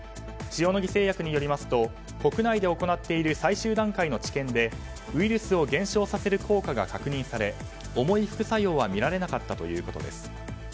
塩野義製薬によりますと国内で行っている最終段階の治験でウイルスを減少させる効果が確認され、重い副作用はみられなかったということです。